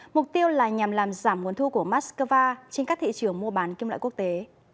mục tiêu là nhằm làm giảm nguồn thu của moscow trên các thị trường mua bán kim loại quốc tế